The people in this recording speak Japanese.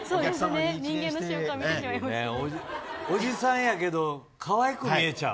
おじさんやけどかわいく見えちゃう。